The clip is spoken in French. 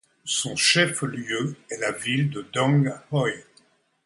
Son chef-lieu est la ville de Đồng Hới.